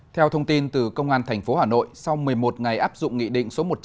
theo thông tin từ công an tp hà nội sau một mươi một ngày áp dụng nghị định số một trăm linh